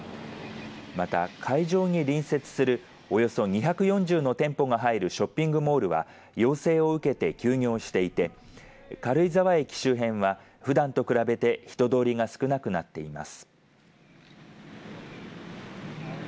また会場に隣接するおよそ２４０の店舗が入るショッピングモールは要請を受けて休業していて軽井沢駅周辺はふだんと比べて人通りが少なくなっています。